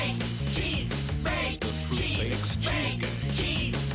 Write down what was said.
チーズ！